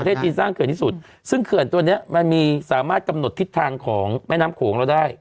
จีนสร้างเขื่อนที่สุดซึ่งเขื่อนตัวนี้มันมีสามารถกำหนดทิศทางของแม่น้ำโขงเราได้